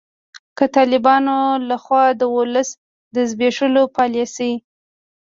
که د طالبانو لخوا د ولس د زبیښولو پالسي